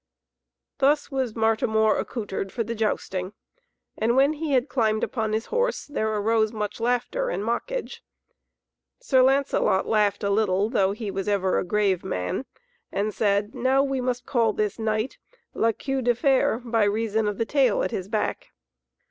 Thus was Martimor accoutred for the jousting, and when he had climbed upon his horse, there arose much laughter and mockage. Sir Lancelot laughed a little, though he was ever a grave man, and said, "Now must we call this knight, La Queue de Fer, by reason of the tail at his back."